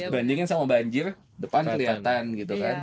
bandingin sama banjir depan kelihatan gitu kan